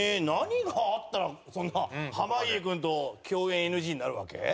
何があったらそんな濱家君と共演ＮＧになるわけ？